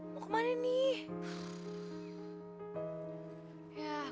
mau kemana nih